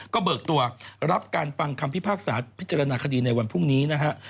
ก็เบิกตัวรับการฟังคำพิพากษาพิจารณาคดีในวันพรุ่งนี้นะฮะ